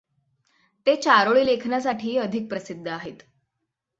ते चारोळी लेखनासाठी अधिक प्रसिद्ध आहेत.